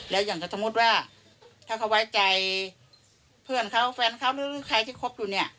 แล้วอย่างสมมุติว่าถ้าเขาไว้ใจเพื่อนเขาแฟนเขาหรือใครที่คบอยู่เนี่ย